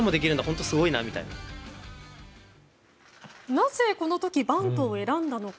なぜこの時バントを選んだのか？